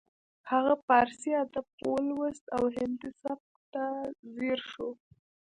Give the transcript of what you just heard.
هغه پارسي ادب ولوست او هندي سبک ته ځیر شو